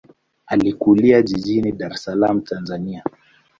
Alikulia jijini Dar es Salaam, Tanzania.